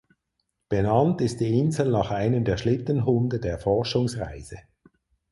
Benannt ist die Insel nach einem der Schlittenhunde der Forschungsreise.